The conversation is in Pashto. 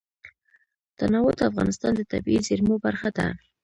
تنوع د افغانستان د طبیعي زیرمو برخه ده.